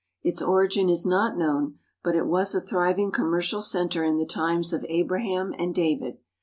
Its origin is not known, but it was a thriving commer cial center in the times of Abraham and David.